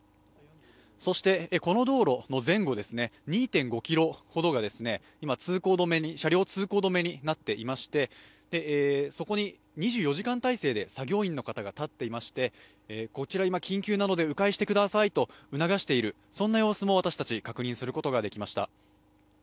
そしてこの道路前後２．５ｋｍほどが今、車両通行止めになっていまして、そこに２４時間体制で作業員の方が立っていまして、こちら緊急なのでう回してくださいと促している様子も私たち、確認することができました